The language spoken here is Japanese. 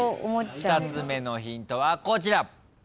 ２つ目のヒントはこちら。